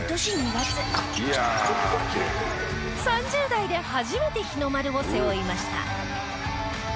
３０代で初めて日の丸を背負いました。